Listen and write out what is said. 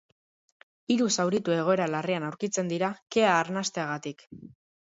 Hiru zauritu egoera larrian aurkitzen dira kea arnasteagatik.